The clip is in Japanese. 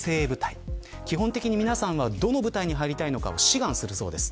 基本的に皆さんはどの部隊に入りたいのかを志願するそうです。